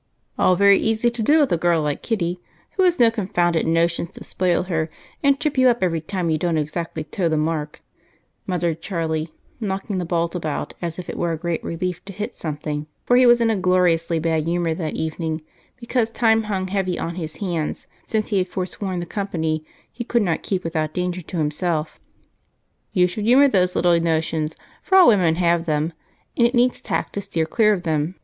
"All very easy to do that with a girl like Kitty, who has no confounded notions to spoil her and trip you up every time you don't exactly toe the mark," muttered Charlie, knocking the balls about as if it were a relief to hit something, for he was in a gloriously bad humor that evening, because time hung heavy on his hands since he had forsworn the company he could not keep without danger to himself. "You should humor those little notions, for all women have them, and it needs tact to steer clear of them.